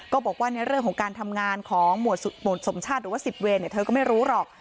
ก็บอกว่าในเรื่องของการทำงานของหวดสมชาติหรือว่า๑๐เวรเธอก็ไม่รู้หรอก